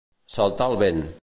Saltar el vent.